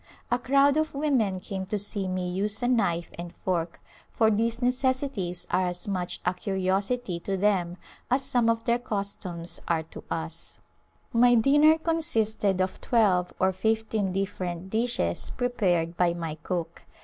A crowd of women came to see me use a knife and fork, for these necessities are as much a curiosity to them as some of their customs are to us. A Glimpse of India My dinner consisted of twelve or fifteen different dishes prepared by my cook.